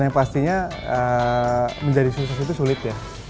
dan yang pastinya menjadi sukses itu sulit ya